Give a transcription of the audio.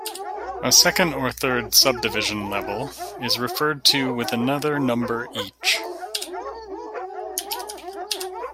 A second or third subdivision level is referred to with another number each.